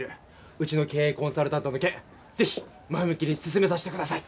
うちの経営コンサルタントの件是非前向きに進めさせてください。